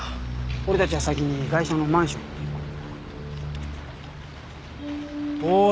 俺たちは先にガイシャのマンションに行ってる。